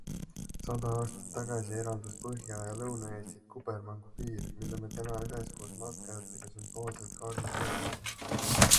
Sada aastat tagasi eraldas Põhja- ja Lõuna-Eestit kubermangupiir, mille me täna üheskoos matkajatega sümboolselt kaardilt kustutame.